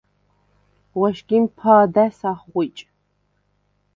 ღუ̂ეშგიმ ფა̄და̈ს ახღუ̂იჭ.